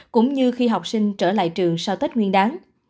cũng như khi học sinh trở lại trường sau tết nguyên đáng